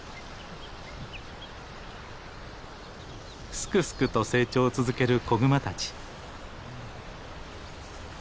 すくすくと成長を続ける子グマたち。